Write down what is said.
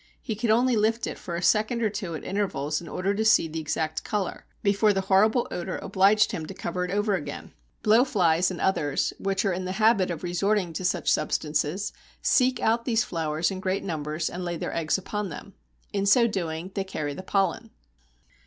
He could only lift it for a second or two at intervals in order to see the exact colour, before the horrible odour obliged him to cover it over again. Blowflies and others, which are in the habit of resorting to such substances, seek out these flowers in great numbers and lay their eggs upon them. In so doing they carry the pollen.